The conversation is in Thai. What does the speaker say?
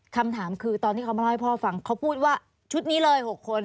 คำถามคือตอนที่เขามาเล่าให้พ่อฟังเขาพูดว่าชุดนี้เลย๖คน